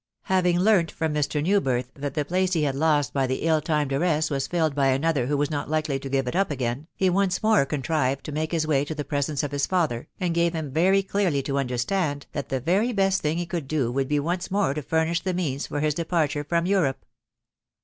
Having learnt from Mr. New birth that the place he had lost by the ill timed arrest was filled by another who was not likely to give it up again, he once more contrived to make his way to the presence of his father, and gave him very clearly to understand, that the very best thing he could do would be once more to furnish the means for his departure from Europe.